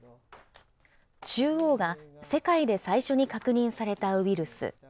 中央が、世界で最初に確認されたウイルス。